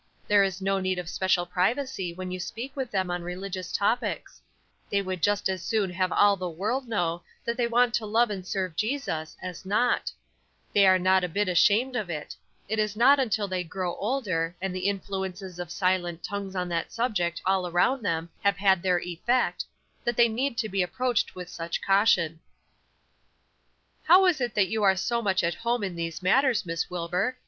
There is no need of special privacy when you talk with them on religious topics; they would just as soon have all the world know that they want to love and serve Jesus as not; they are not a bit ashamed of it; it is not until they grow older, and the influences of silent tongues on that subject all around them have had their effect, that they need to be approached with such caution." "How is it that you are so much at home in these matters, Miss Wilbur?